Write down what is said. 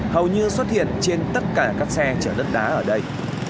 hầu như xuất hiện trên tất cả các xe chở đất đá ở đây